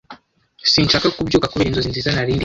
Sinshaka kubyuka kubera inzozi nziza nari ndimo